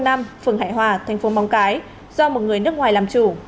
phường hải hòa thành phố móng cái do một người nước ngoài làm chủ